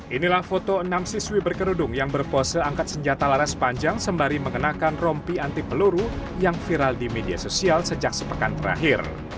inilah foto enam siswi berkerudung yang berpose angkat senjata laras panjang sembari mengenakan rompi anti peluru yang viral di media sosial sejak sepekan terakhir